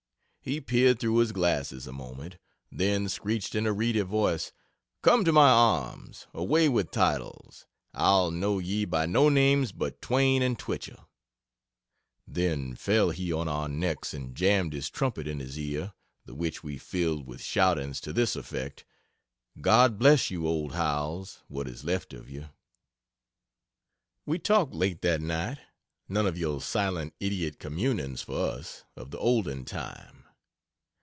He peered through his glasses a moment, then screeched in a reedy voice: "Come to my arms! Away with titles I'll know ye by no names but Twain and Twichell! Then fell he on our necks and jammed his trumpet in his ear, the which we filled with shoutings to this effect: God bless you, old Howells what is left of you!" We talked late that night none of your silent idiot "communings" for us of the olden time.